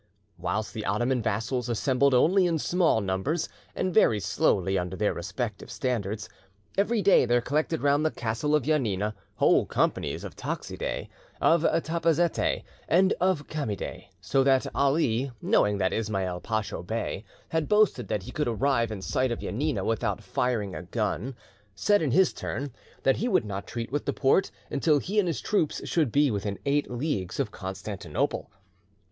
Whilst the Ottoman vassals assembled only in small numbers and very slowly under their respective standards, every day there collected round the castle of Janina whole companies of Toxidae, of Tapazetae, and of Chamidae; so that Ali, knowing that Ismail Pacho Bey had boasted that he could arrive in sight of Janina without firing a gun, said in his turn that he would not treat with the Porte until he and his troops should be within eight leagues of Constantinople.